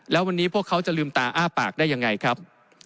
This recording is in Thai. แล้ววันนี้พวกเขาจะลืมตาอ้าปากได้ยังไงครับ